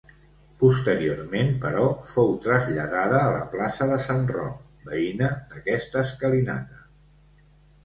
Posteriorment però, fou traslladada a la plaça de Sant Roc, veïna d'aquesta escalinata.